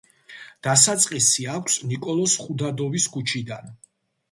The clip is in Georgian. დასაწყისი აქვს ნიკოლოზ ხუდადოვის ქუჩიდან.